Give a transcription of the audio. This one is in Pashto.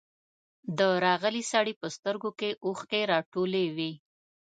د راغلي سړي په سترګو کې اوښکې راټولې وې.